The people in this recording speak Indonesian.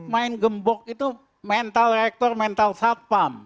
main gembok itu mental rektor mental satpam